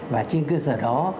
và trên cơ sở đó